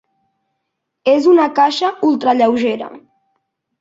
És una caixa ultralleugera.